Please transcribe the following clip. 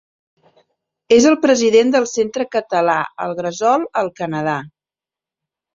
És el president del centre català El Gresol al Canadà.